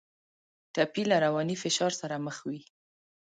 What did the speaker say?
ټپي له رواني فشار سره مخ وي.